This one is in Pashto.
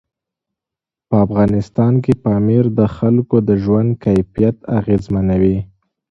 په افغانستان کې پامیر د خلکو د ژوند کیفیت اغېزمنوي.